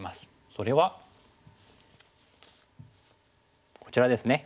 それはこちらですね。